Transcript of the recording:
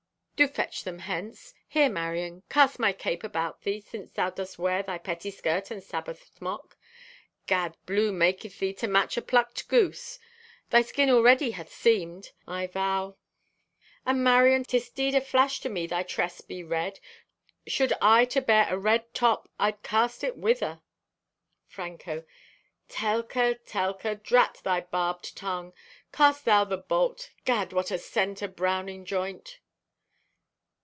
Do fetch them hence. Here, Marion, cast my cape about thee, since thou dost wear thy pettiskirt and Sabboth smock. Gad! Blue maketh thee to match a plucked goose. Thy skin already hath seamed, I vow. And, Marion, 'tis 'deed a flash to me thy tress be red! Should I to bear a red top I'd cast it whither." (Franco) "Telka, Telka, drat thy barbed tung! Cast thou the bolt. Gad! What a scent o' browning joint!"